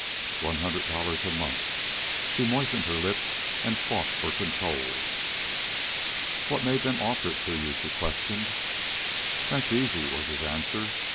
One hundred dollars a month! She moistened her lips and fought for control. "What made them offer it to you?" she questioned. "That's easy," was his answer.